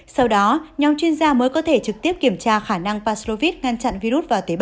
sau đó nhóm chuyên gia mới có thể trực tiếp kiểm tra khả năng pasovit ngăn chặn virus vào tế bào